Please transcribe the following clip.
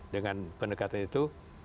dengan pendekatan itu